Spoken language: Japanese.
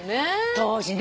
当時ね。